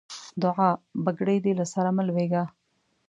دوعا؛ بګړۍ دې له سره مه لوېږه.